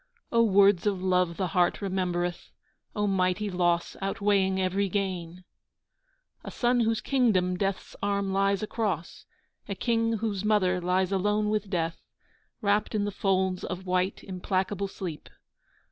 (O words of love the heart remembereth, O mighty loss outweighing every gain!) A Son whose kingdom Death's arm lies across, A King whose Mother lies alone with Death Wrapped in the folds of white implacable sleep.